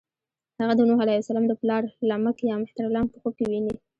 هغه د نوح علیه السلام پلار لمک یا مهترلام په خوب کې ويني.